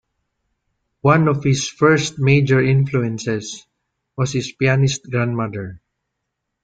One of his first major influences was his pianist grandmother.